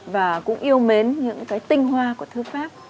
và cũng yêu mến những cái tinh hoa của thư pháp